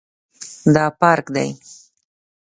دا پارک دی